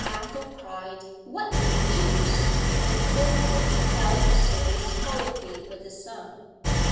Athel cried 'What the deuce!' and forthwith held a serious colloquy with his son.